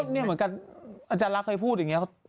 เนี่ยเหมือนกันอละเคยพูดอย่างนี้